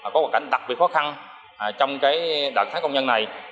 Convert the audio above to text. có hoàn cảnh đặc biệt khó khăn trong đợt tháng công nhân này